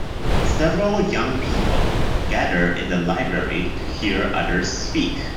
Several young people gather in the library to hear others speak.